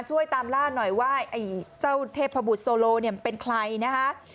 ช่วยตามลาดหน่อยว่าเทพบุรุษโซโลเป็นใครนะคะ